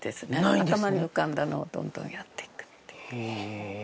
頭に浮かんだのをどんどんやっていくっていう。